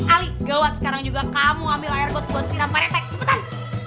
ali gawat sekarang juga kamu ambil air got buat siram pak rt cepetan